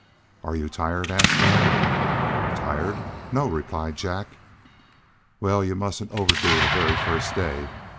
"Are you tired?" asked Naab. "Tired? No," replied Jack. "Well, you mustn't overdo the very first day.